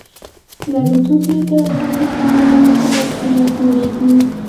د الوتکې تر خوندي کولو وروسته کیمپ جوړیږي